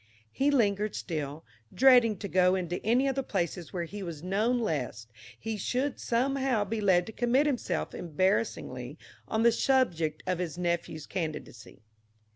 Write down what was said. He lingered still, dreading to go into any of the places where he was known lest he should somehow be led to commit himself embarrassingly on the subject of his nephew's candidacy.